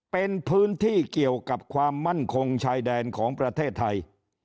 เป็นพื้นที่เกี่ยวกับความมั่นคงชายแดนของประเทศไทย